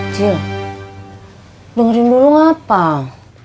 cil dengerin dulu ngapain